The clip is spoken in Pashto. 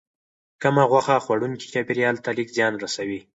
کم غوښه خوړونکي چاپیریال ته لږ زیان رسوي.